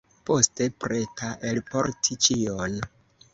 Poste, preta elporti ĉion.